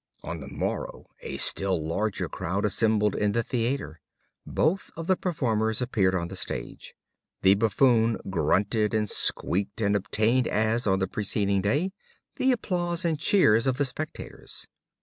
On the morrow a still larger crowd assembled in the theater. Both of the performers appeared on the stage. The Buffoon grunted and squeaked, and obtained, as on the preceding day, the applause and cheers of the spectators.